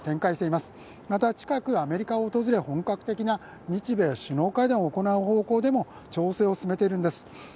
また、近くアメリカを訪れ、本格的な日米首脳会談を行う方向でも調整を進めているんです。